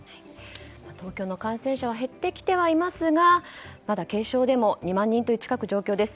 東京の感染者は減ってきてはいますがまだ軽症でも２万人近くという状況です。